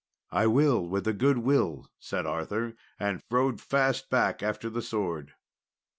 "I will with a good will," said Arthur; and rode fast back after the sword.